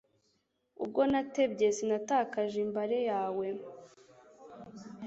Ubwo natebye, Sinatakaje imbare yawe